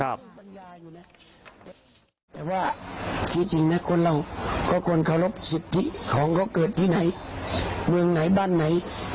แต่ว่าที่จริงนะคนเราก็ควรเคารพสิทธิของเขาเกิดที่ไหนเมืองไหนบ้านไหน